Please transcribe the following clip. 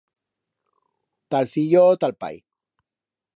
Tal fillo, tal pai.